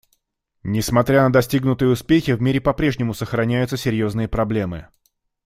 Несмотря на достигнутые успехи, в мире по-прежнему сохраняются серьезные проблемы.